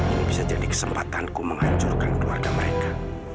ini bisa jadi kesempatanku menghancurkan keluarga mereka